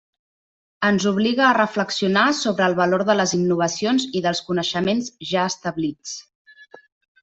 Ens obliga a reflexionar sobre el valor de les innovacions i dels coneixements ja establits.